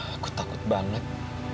aku takut banget